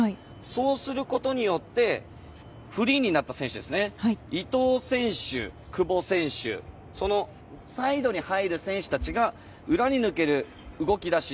そうすることによってフリーになった選手伊東選手、久保選手サイドに入る選手たちが裏に抜ける動き出し。